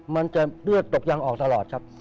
มันจะเลือดตกยังออกตลอดครับ